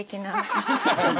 ハハハハ。